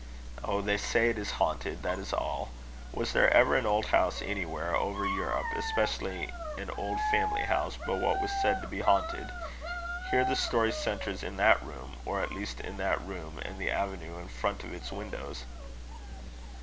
"Oh! they say it is haunted; that is all. Was there ever an old house anywhere over Europe, especially an old family house, but was said to be haunted? Here the story centres in that room or at least in that room and the avenue in front of its windows."